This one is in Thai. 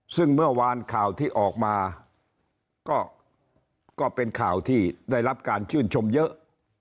ซึ่งเมื่อวานข่าวที่ออกมาก็เป็นข่าวที่ได้รับการชื่นชมเยอะ